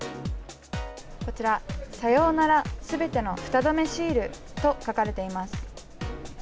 こちら、さようなら、すべてのフタ止めシールと書かれています。